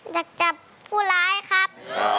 อยากจับผู้ร้ายครับ